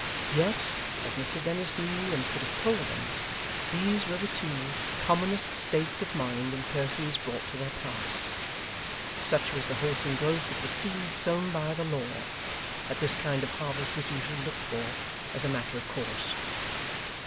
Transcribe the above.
Yet, as Mr Dennis knew and could have told them, these were the two commonest states of mind in persons brought to their pass. Such was the wholesome growth of the seed sown by the law, that this kind of harvest was usually looked for, as a matter of course.